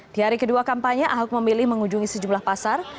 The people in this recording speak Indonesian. di hari kedua kampanye ahok memilih mengunjungi sejumlah pasar